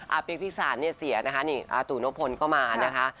เอ้าเปี๊ยกพี่สานเสียอาร์ตูโนโพลก็มานะคะ